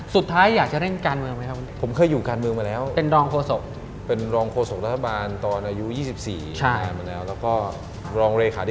สุดท้ายอยากจะเล่นการเมืองไหมครับ